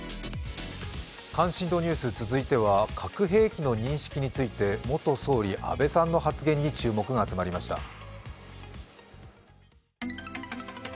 関心度ニュース続いては核兵器の認識について元総理・安倍さんの発言に注目が集まりました。